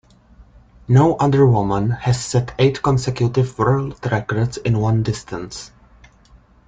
No other woman has set eight consecutive World Records in one distance.